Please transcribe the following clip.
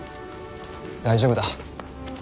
大丈夫だ。